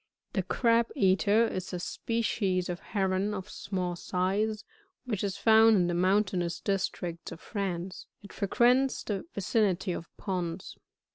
37. The Crah eatet^ is a species of Heron of small size which is found in the mounteiinous districts of France ; it frequents the vicinity of ponds.